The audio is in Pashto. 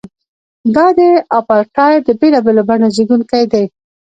دا د اپارټایډ د بېلابېلو بڼو زیږوونکی دی.